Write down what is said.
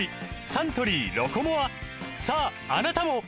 サントリー「ロコモア」さああなたも！